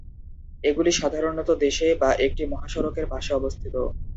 এগুলি সাধারণত দেশে বা একটি মহাসড়কের পাশে অবস্থিত।